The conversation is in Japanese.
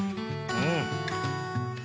うん！